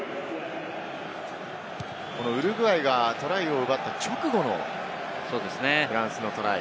ウルグアイがトライを奪った直後のフランスのトライ。